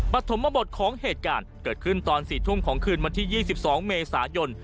ปฐมบทของเหตุการณ์เกิดขึ้นตอนสี่ทุ่มของคืนมันที่ยี่สิบสองเมษายน